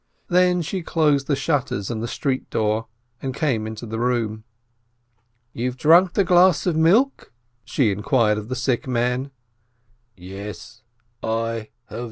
Then she closed the shutters and the street door, and came into the room. "You've drunk the glass of milk?" she inquired of the sick man. "Yes ... I have